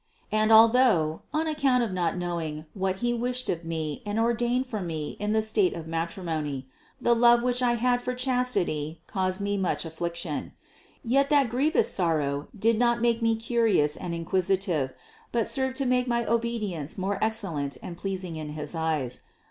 And although, on account of not knowing what He wished of me and ordained for me in the state of matri mony, the love, which I had for chastity caused me much affliction; yet that grievous sorrow did not make me curious and inquisitive, but served to make my obe dience more excellent and pleasing in his eyes.